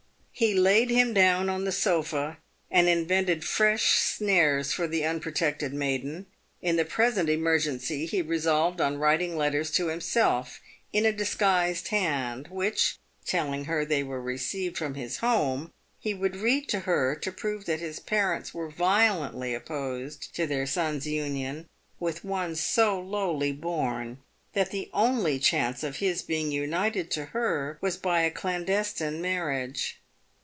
He laid him down on the sofa and invented fresh snares for the unprotected maiden. In the present emergency he resolved on writing letters to himself, in a dis guised hand, which — telling her they were received from his home — PAYED WITH GOLD. 327 he would read to her, to prove that his parents were violently opposed to their son's union with one so lowly born, and that the only chance of his being united to her was by a clandestine marriage.